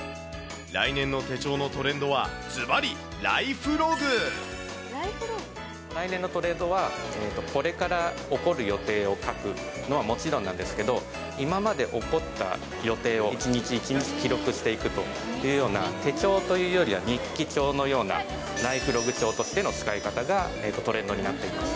来年の手帳のトレンドは、ずばり、来年のトレンドは、これから起こる予定を書くのはもちろんなんですけど、今まで起こった予定を、一日一日記録していくというような、手帳というよりは、日記帳のような、ライフログ帳としての使い方が、トレンドになっています。